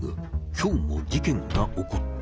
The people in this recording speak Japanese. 今日も事件が起こった。